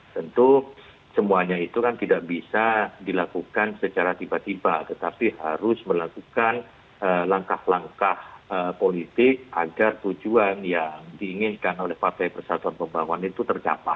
tentu semuanya itu kan tidak bisa dilakukan secara tiba tiba tetapi harus melakukan langkah langkah politik agar tujuan yang diinginkan oleh partai persatuan pembangunan itu tercapai